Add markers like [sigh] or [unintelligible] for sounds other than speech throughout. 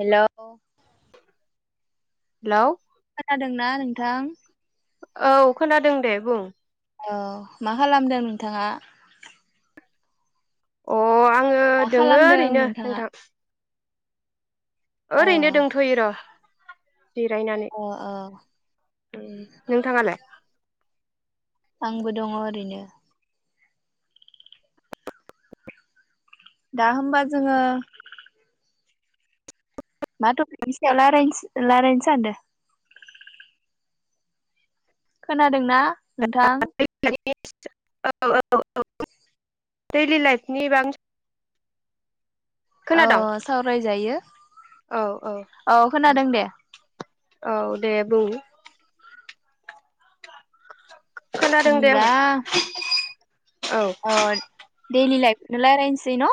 Hello hello खोनादोंना नोंथां औ खोनादों दे बुं औ मा खालामदों नोंथाङा अ आङो मा दोङो खालामदों ओरैनो नोंथाङा? नोंथां औ ओरैनो दंथ'यो र' जिरायनानै औ औ ओम नोंथाङालाय आंबो दङ ओरैनो दा होमबा जोङो मा थ'टपिकनि सायाव लारायनोस रायलायनो सानदों खोना दोंना नोंथां [unintelligible] औ औ औ दैलि लाइफनि बांसिन अ सावरायजायो औ खोनादों दे औ दे बुं खोनादों दे आंबो होमब्ला औ डेलि लाइफ नला खौनो राइलायनोसै न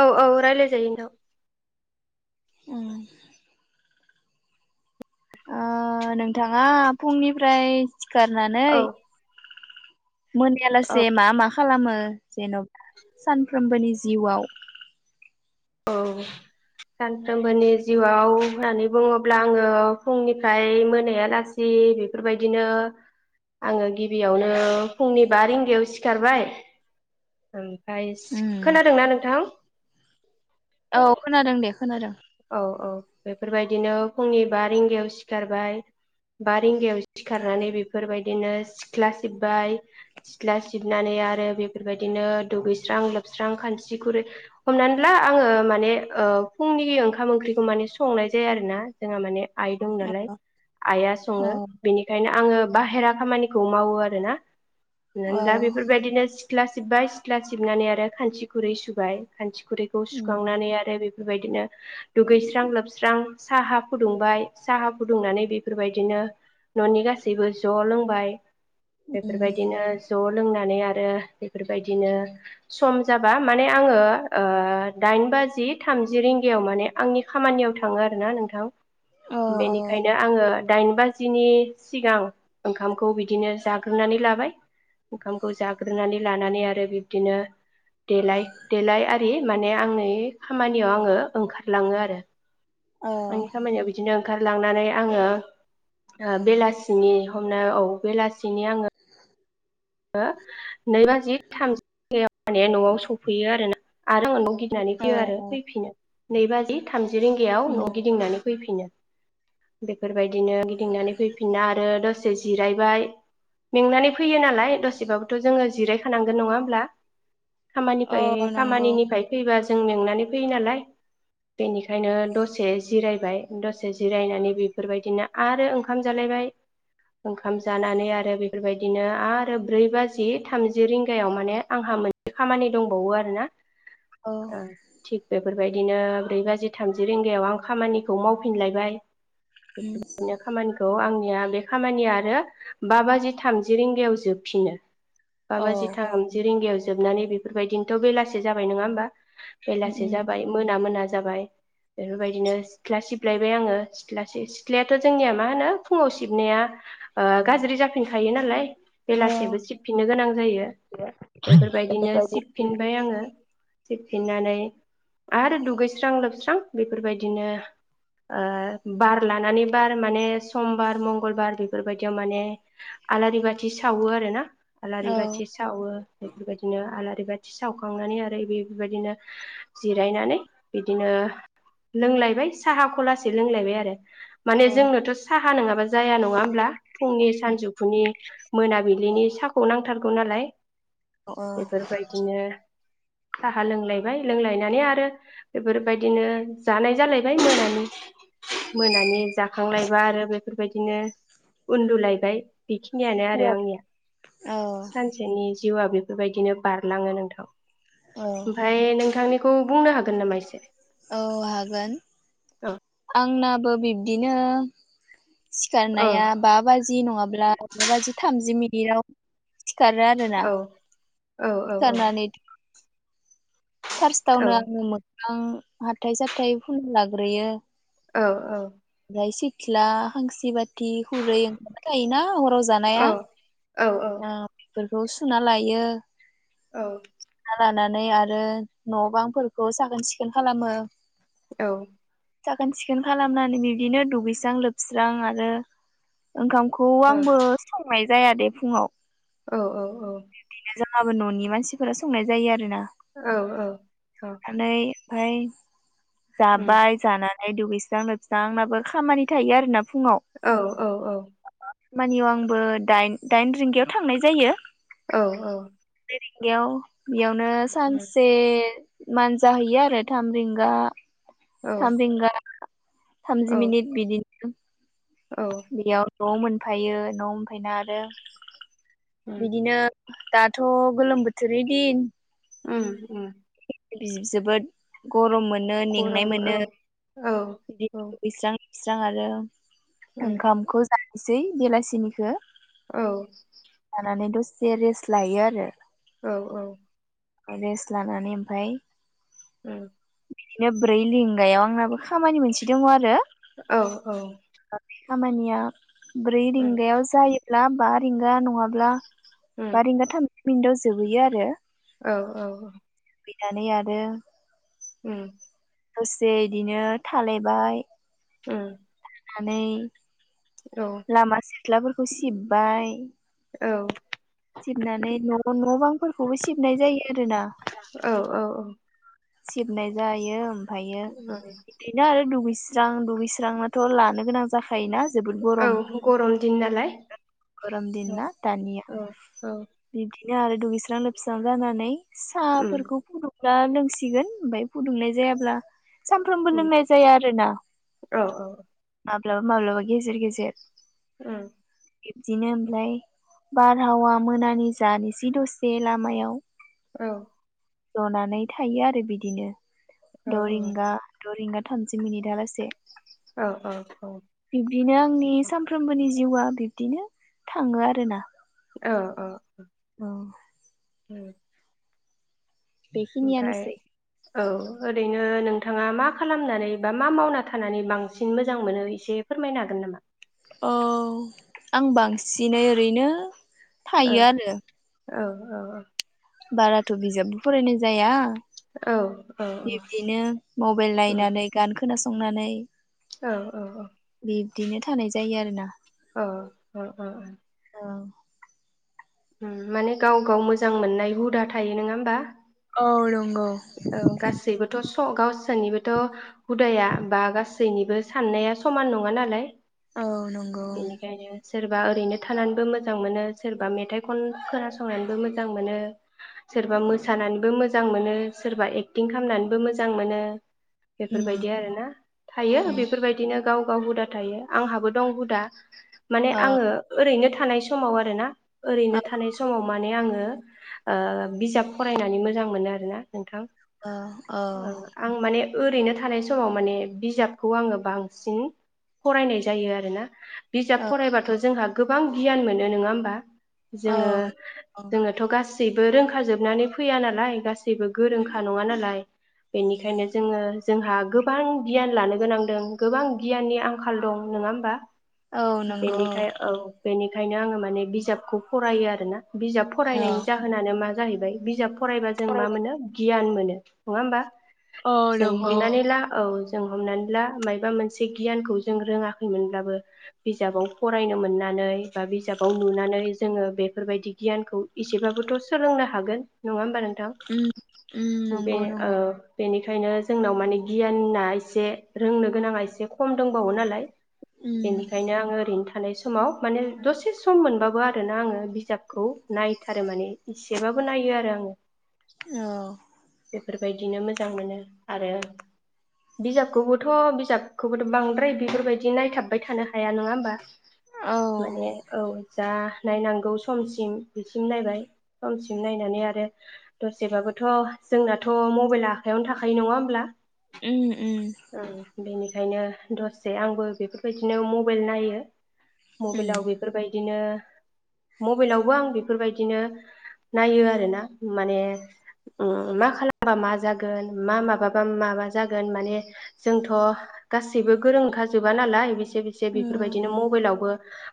औ औ रायलाय जायो नोंथां उम ओ नोंथाङा फुंनिफ्राय सिखारनानै औ मोनायालासे मा मा खालामो जेन'बा सानफ्रोमबोनि जिउआव औ सानफ्रोमबोनि जिउआव होननानै बुङोब्ला आङो फुंनिफ्राय मोनायालासि बेफोरबायदिनो आङो गिबियावनो फुंनि बा रिंगायाव सिखारबाय ओमफाय उम खोनादोंना नोंथां औ खोनादों दे खोनादों औ औ बेफोरबायदिनो फुंनि बा रिंगायाव सिखारबाय बा रिंगायाव सिखारनानै बेफोरबायदिनो सिख्ला सिबबाय सिख्ला सिबनानै आरो बेफोरबायदिनो दुगैस्रां लोबस्रां खानस्रि खुरै हमनानै ला आङो माने ओ फुंनि ओंखार ओंखाम ओंख्रिखौ माने संनाय जायो आरोना जोंहा माने आइ दं नालाय औ आइआ सङो बेनिखायनो आङो बाहेरा खामानिखौ मावो आरोना औ औ नों दा बेफोरबायदिनो सिथ्ला सिबबाय सिथ्ला सिबनानै आरो खान्सि खुरै सुबाय खा खुरैखौ सुखांनानै आरो बेबायदिनो दुगैस्रां लोबस्रां साहा फुदुंबाय साहा फुदुंनानै बेफोरबायदिनो न'नि गासैबो ज' लोंबाय बेफोरबायदिनो ज' लोंनानै आरो बेफोरबायदिनो सम जाबा माने आङो ओ दाइन बाजि थामजि रिंगायाव माने आंनि खामानियाव थाङो आरोना नोंथां बेनिखायनो आङो दाइन बाजिनि सिगां ओंखामखौ बिदिनो जाग्रोनानै लाबाय ओंखामखौ जाग्रोनानै लानानै आरो बिब्दिनो देलाय देलाय आरि माने आंनि खामानियाव आङो ओंखार लांओ आरो आंनि खामानिया बिदिनो ओंखारलांनानै आङो ओ बेलासिनि हमना औ बेलासिनि आङो ओ नै बाजि थामजि माने न'आव सफैयो आरोना आरो मोनबाव गि फैनानै औ फैयो आरो औ फैफिनो नै बाजि थामजि रिंगायाव न'आव गिदिंनानै फैफिनो बेफोरबायदिनो गिदिंनानै फैफिनना आरो दसे जिरायबाय मेंनानै फैयो नालाय दसेबाबोथ' जोङो जिरायखानांगोन नङा होमब्ला खामानिफ्राय औ नंगौ खामानिनिफ्राय फैबा जों मेंनानै फैयो नालाय बेनिखायनो दसे जिरायबाय दसे जिरायनानै बेफोरबायदिनो आरो ओंखाम जालायबाय ओंखाम जानानै आरो बेफोरबायदिनो आरो आरो ब्रै बाजि थामजि रिंगायाव माने आंहा मोनसे खामानि दंबावो आरोना औ ओ थिक बेफोरबाय बिदिनो ब्रै बाजि थामजि रिंगायाव आं खामानिखौ मावफिनलायबाय बेफोर बायदिनो खामानिखौ आं नो बे खामानिया आरो बा बाजि थामजि रिंगायाव जोब फिनो बा औ बाजि थाम जि रिंगायाव जोबनानै बेफोरबायदिनोथ' बेलासि जाबाय नङा होमबा बेलासे जाबाय मोना मोना जाबाय बेफोर बायदिनो सिथ्ला सिबलायबाय आङो सिथ सिथ्लायाथ' जोंनिया मा होनो फुङाव सिबनाया गाज्रि जाफिनखायो नालाय औ बेलासेबो सिबफिननो गोनां जायो बेफोर बायदिनो औ सिबफिनबाय आङो सिबफिननानै आरो दुगैस्रां लोबस्रां बेफोर बायदिनो ओ बार लानानै बार माने समबार मंगलबार बेफोरबायदियाव माने आलारि बाथि जि सावो आरो ना आलारि औ बाथि सावो बेफोर बायदिनो आलारि बाथि सावखांनानै आरो एसे इफोर बायदिनो जिरायनानै बिदिनो लोंलायबाय साहा लासैनो लोंलायबाय आरो माने औ जोंनोथ' साहा नङाबा जाया नङा होन ब्ला फुंनि सानजौफुनि मोनाबिलिनि साहाखौ नांथारगौ नालाय। औ बेफोर बायदिनो साहा लोंलाय ओ लोंलायनानै आरो बेफोर बायदिनो जानाय जालायबाय मोनानि। मोनानि जाखांलायबा आरो बेफोर बायदिनो उन्दुलायबाय बेखिनियानो आंनिया सानसेनि जिउआ बे बेबायदिनो बारलाङो नोंथां ओमफाय नोंथांनि खौ बुंनो हागोन नामा इसे? औ हागोन आंना बो बिब्दिनो औ सिखारनाया बा बाजि नङाब्ला बा बाजि थामजि मिनि बियाव सिखारो आरोना औ औ सिखारनानै औ फार्स्टावनो आङो मोखां हाथाय साथाय फुना लाग्रोयो। औ औ ओ सिथला खांसि बाथि खुरै ओंखार थायो ना हराव जानाया औ औ औ अ बेफोरखौ सुना लायो। औ लानानै आरो न बांफोरखौ साखोन सिखोन खालामो। औ साखोन सिखोन खालामनानै बिदिनो दुगैस्रां लोब स्रां आरो ओंखामखौ औ आंबो संनाय जाया दे फुङाव औ औ औ जोंहाबो ननि मानसिफोरा संनाय जायो आरो ना। औ औ माने ओमफ्राय उम जाबाय जाना दुगैस्रां लोबस्रां आंनाबो खामानि थायो आरो ना औ औ औ मानियाव आंबो दाइन दाइन रिंगायाव थांनाय जायो। औ औ रिंगायाव बेयाव नो सानसे जाहैयो आरो थाम रिंगा औ थामि रिंगा औ थामजि मनिट बिदि औ औ बेयाव न'आव मोनफायो न'आव मोनफैना आरो उम बिदिनो दाथ' गोलोम बोथोरनि दिन उम जोबोद गरम मोनो मोनो मेंनाय गरम औ मोनो औ बि औ दुगैस्रां दुगैस्रां आरो उम ओंखामखौ जाना बेलासिनिखौ औ जे रेस लायो आरो औ औ रेस्ट लानानै ओमफाय उम बिदिनो ब्रै लिंगायाव आंनाबो खामानि मोनसे दङ आरो औ औ खामानिया ब्रै रिंगायाव जायो ला बा रिंगा नङाब्ला बा रिंगा थाम मिन्दाव जोबोयो आरो औ औ औ बिनानै आरो उम दसे इदिनो थालायबाय उम नानै लामा सेर थ्लाफोरखौ सिबबाय औ सिबनानै न' न' बां बांफोरखौबो सिबनाय जायो आरोना औ सिबनाय जायो ओमफायो इदिनो आरो दुगैै सि स्रां दुगैस्रांनाथ' लानो गोनां जाख खायोना जोबोद औ गरम गरम दिन नालाय गरम दिन औ ना दानिया औ औ बिदि नो आरो दुगैस्रां लोबस्रां जानानै उम साहाफोरखौ फुदुं ना नोंसि सिगोन ओमफाय फुदुंनाय जायाब्ला सानफ्रामबो उम लोंनाय जाया आरोना औ माब्लाबा माब्लाबा गेजेर गेजेर उम बिब्दिनो ओमलाय बारहावा मोनानि जानिसै दसे लामायाव औ जनानै था थायो आरो बिदिनो द' औ रिंगा द रिंगा थामजि मिनिदा लासे ओ ओ औ बिनो आंनि सानफ्रोमबोनि जिउआ बिब्दिनो थाङो आरोना ओ ओ अ ओ बेखिनि आनोसै औ ओरैनो नोंथाङा मा खालामनानै बा मा मावना थानानै बांसिन मोजां मोनो एसे फोरमायनो हागोन नामा ओ आं बांसिन जिनै ओरैनो थायो आरो ओ ओ ओ बाराथ' बिजाबबो फरायनाय जाया औ औ बिब्दिनो मबाइल औ नायनानै गानखो खोनासंनानै बिब्दिनो थानाय जायो आरो ना ओ ओ ओ दा ओ माने गाव गाव मोजां मोननाय हुदा थायो नङा होमबा ओ नंगौ औ गासैबोथ' स गावसोरनिबोथ' हुदाया बा गासै गासैनिबो साननाया समान नङा नालाय औ नंगौ बेनिखायनो सोरबा ओरैनो थानानैबो मोजां मोनो सोरबा मेथाइ खन खोनासंनानैबो मोजां मोनो सोरबा मोसानानैबो मोजां मोनो सोरबा एक्टिं खालामनानैबो मोजां मोनो बेफोर उम बायदि आरोना थायो उम बेफोर बायदिनो गाव गाव हुदा थायो आंहाबो दं हुदा माने औ आङो ओरैनो थानाय समाव आरोना औ ओरैनो थानाय समाव माने आङो ओ बिजाब फरायनानै मोजां मोनो आरोना नोंथां अ औ ओ आं माने ओरैनो थानाय समाव माने बिजाबखौ आङो बांसिन फरायनाय जायो आरोना बिजाब औ फरायबाथ' जोंहा गोबां गियान मोनो नङा होमबा जोङो औ जोङोथ' गासै रावबो रोंखा जोबनानै फैया नालाय गासैबो गोरोंखा नङा नालाय बेनिखायनो जोङो जोंहा गोबां गियान लानो गोनांदों गोबां गियाननि आंखाल दं नङा होमबा औ नंगौ बेनिखाय औ बेनि ओंखायनो आङो माने बिजाबखौ फरायो आरो ना बिजाब औ फरायनायनि जाहोनानो मा जाहैबाय बिजाब फरायबा जों मा फरायबाय मोनो गियान मोनो नङा होमबा जों उम हमनानै ला औ जों हमनानै ला मायबा मोनसे गियानखौ जों रोङाखैमोनब्लाबो बिजाबाव फरायनो मोननानै बा बिजाबाव नुनानै जोङो बेफोरबायदि गियानखौ एसेबाबोथ' सोलोंनो हागोन नङा होमबा नोंथां उम बे नंगौ ओ बे नंगौ बेनिखायनो जोंनाव माने गियाना एसे रोंनो गोनाङा एसे खम दंबावो नालाय उम बेनिखायनो आङो ओरैनो थाखाय थानाय समाव माने दसे सम मोनबाबो आरोना आङो बिजाबखौ नायथारो माने इसेबाबो नायो आरो आङो औ बेफोरबायदिनो मोजां मोनो आरो बिजाबखौबोथ' बिजाबखौबोथ' बांद्राय बेफोरबायदि नायथाबबाय थानो हाया नङा होमबा औ माने औ जा नायनांगौ समसिम बिसिम नायबाय समसिम नायनानै आरो दसेबाबो थ' जोंनाथ' मबाइल आखायावनो थाखायो नङा होमब्ला उम उम ओं बेनिखायनो दसे आंबो बेफोरबायदिनो मबाइल नायो मबाइलाव बेफोरबायदिनो मबाइलावबो आं बेफोरबायदिनो नायो आरोना माने उम मा खालामबा मा जागोन मा माबाबा माबा जागोन माने जोंथ' गासैबो गोरों नंखाजोबा नालाय एसे एसे उम बेफोरबायदिनो मबाइलावबो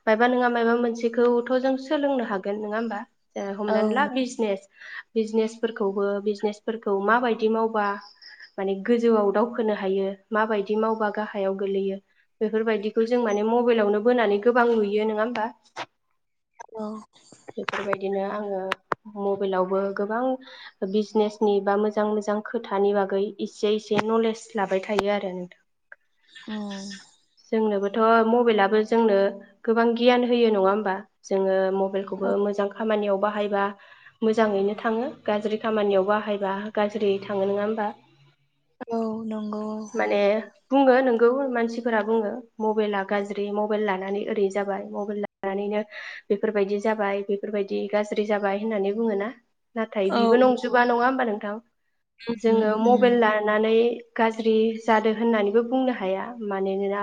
मायबा नोंङा मायबा मोनसेखौथ' जों सोलोंनो हागोन नङा होमबा औ हमनानै ला बिजनेस बिजनेसफोरखौबो बिजनेसफोरखौ माबायदि मावबा माने गोजौआव दाउ खौनो हायो माबायदि मावबा गाहायाव गोलैयो बेफोरबायदिखौ जों माने मबाइलावनो बोनानै गोबां नुयो नङा होमबा औ दिनो आङो मबाइलावबो गोबां बिजनेसनि बा मोजां मोजां खोथानि बागै इसे एसे नलेज लाबाय थायो आरो नोंथां औ थ' मबाइलाबो जोंनो गोबां गियान होयो नङा होमबा जोङो मबाइलखौबो मोजां खामानियाव बाहायबा मोजाङैनो थाङो गाज्रि खामानियाव बाहायबा गाज्रियै थाङो नङा होमबा औ नंगौ माने बुङो नंगौ मानसिफोरा बुङो मबाइला गाज्रि मबाइल लानानै ओरै जाबाय मबाइल लानानैनो बेफोरबायदि जाबाय बेफोरबायदि गाज्रि जाबाय होननानै बुङो ना नाथाय बिबो औ नंजोबा नङा होमबा नोंथां जोङो उम उम मबाइल लानानै गाज्रि जादों होननानैबो बुंनो हाया मानोना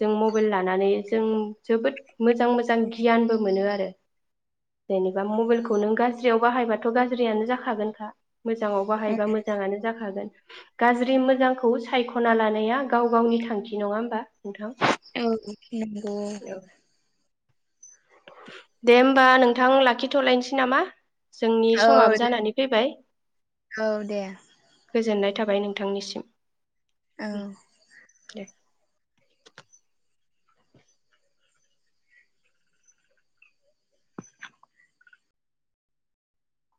जों मबाइल लानानै जों जोबोद मोजां मोजां गियानबो मोनो आरो जेनेबा मबाइलखौ नों गाज्रियाव बाहायबाथ' गाज्रियानो जाखागोनखा मोजाङाव बाहायबा मोजाङानो जाखागोन गाज्रि मो जांखौ सायख'ना लानाया गाव गावनि थांखि नङा होमबा नोंथां औ नंगौ औ दे होमबा नोंथां लाखिथ'लायनोसै नामा जोंनि औ समाबो जानानै फैबाय औ दे गोजोननाय थाबाय नोंथांनिसिम औ दे [inaudible]